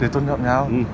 để tôn trọng nhau